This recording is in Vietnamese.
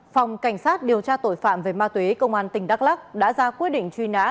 phòng cảnh sát điều tra tội phạm về ma túy công an tỉnh đắk lắc đã ra quyết định truy nã